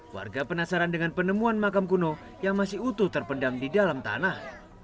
warga penasaran dengan penemuan makam kuno yang masih utuh terpendam di dalam tanah